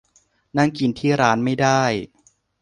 นั่งกินที่ร้านไม่ได้